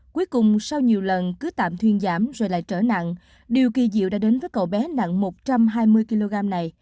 cuối cùng sau nhiều lần cứ tạm thuyên giảm rồi lại trở nặng điều kỳ diệu đã đến với cậu bé nặng một trăm hai mươi kg này